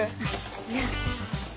いや。